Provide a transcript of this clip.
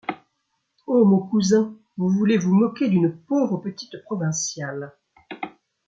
Oh ! mon cousin, vous voulez vous moquer d’une pauvre petite provinciale.